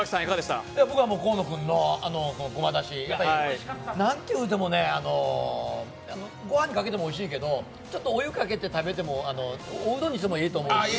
河野君のごまだし、なんていうてもご飯にかけてもおいしいけど、ちょっとお湯かけて食べてもおうどんにしてもええと思う。